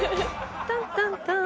タンタンターン。